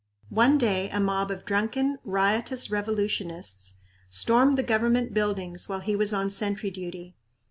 One day a mob of drunken, riotous revolutionists stormed the government buildings while he was on sentry duty.